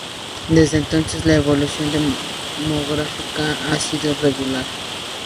Desde entonces, la evolución demográfica ha sido regular.